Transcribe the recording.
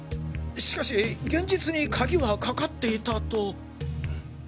しかし現実に鍵はかかっていたと。